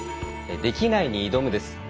「できないに挑む」です。